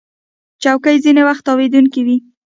چوکۍ ځینې وخت تاوېدونکې وي.